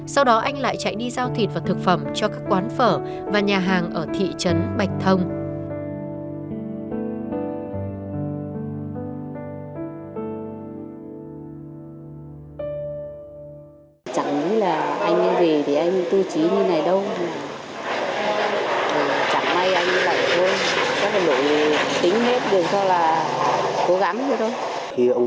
sau đó anh lại chạy đi giao thịt và thực phẩm cho các quán phở và nhà hàng ở thị trấn bạch thông